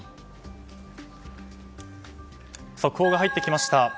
速報が入ってきました。